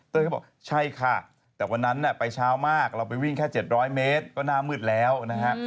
ก็บอกใช่ค่ะแต่วันนั้นไปเช้ามากเราไปวิ่งแค่๗๐๐เมตรก็หน้ามืดแล้วนะฮะ